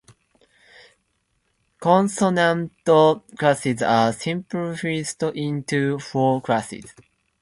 Consonant classes are simplified into four classes.